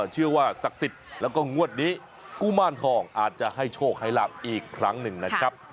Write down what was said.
ศักดิ์สิทธิ์แล้วก็งวดนี้กุมารทองอาจจะให้โชคให้ลาบอีกครั้งหนึ่งนะครับ